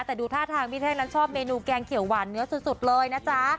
แต่ดูท่าทางพี่เท่งนั้นชอบเมนูแกงเขียวหวานเนื้อสุดเลยนะจ๊ะ